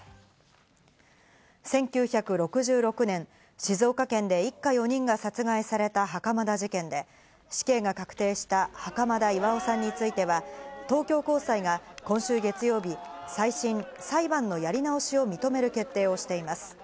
１９６６年、静岡県で一家４人が殺害された袴田事件で、死刑が確定した袴田巌さんについては、東京高裁が今週月曜日、再審＝裁判のやり直しを認める決定をしています。